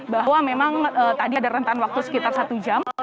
bahwa memang tadi ada rentan waktu sekitar satu jam